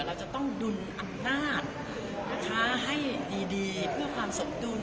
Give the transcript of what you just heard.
เราจะต้องดุลอำนาจนะคะให้ดีเพื่อความสมดุล